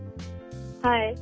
はい。